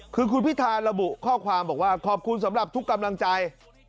คือคุณพิธาระบุข้อความบอกว่าขอบคุณสำหรับทุกกำลังใจ